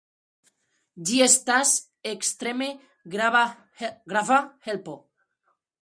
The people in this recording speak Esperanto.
Ĝi estas ekstreme grava helpo.